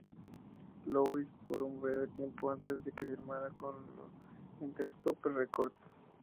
Louis, por un breve tiempo antes de que firmara con Interscope Records.